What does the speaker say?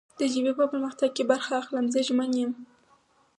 د ژبې په پرمختګ کې برخه اخلم. زه ژمن یم